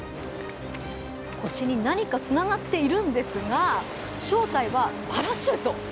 腰に何かつながっているんですが正体はパラシュート。